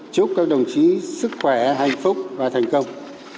chúc các đồng chí sức khỏe hạnh phúc và thành công